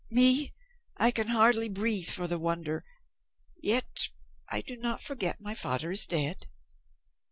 Me, I can hardly breathe for the wonder yet I do not forget my father is dead."